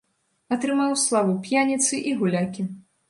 Атрымаў славу п'яніцы і гулякі.